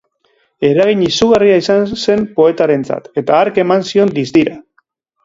Eragin izugarria izan zen poetarentzat eta hark eman zion distira.